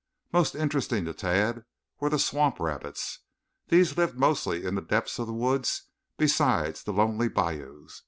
Most interesting to Tad were the swamp rabbits. These lived mostly in the depths of the woods and beside the lonely bayous.